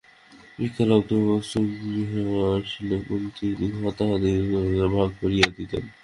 ভিক্ষালব্ধ বস্তু গৃহে আসিলে কুন্তী উহা তাঁহাদিগকে ভাগ করিয়া দিতেন।